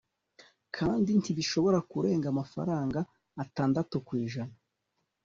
kandi ntishobora kurenga amafaranga atandatu ku ijana